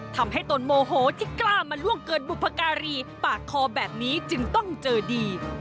ตนโมโหที่กล้ามาล่วงเกิดบุพการีปากคอแบบนี้จึงต้องเจอดี